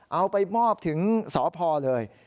เอาไปมอบถึงสพเลย